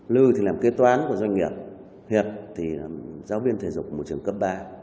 lư thì làm kế toán của doanh nghiệp hiệp thì làm giáo viên thể dục môi trường cấp ba